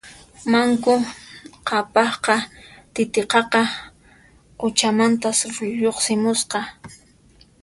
Manku Qhapaqqa Titiqaqa quchamantas lluqsimusqa